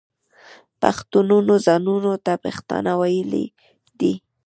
پښتنو ځانونو ته پښتانه ویلي دي.